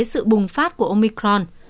sự bùng phát của omicron